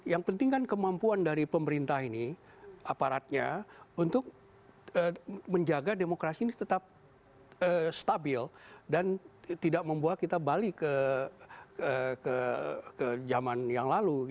yang penting kan kemampuan dari pemerintah ini aparatnya untuk menjaga demokrasi ini tetap stabil dan tidak membuat kita balik ke zaman yang lalu